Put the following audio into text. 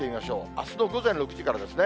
あすの午前６時からですね。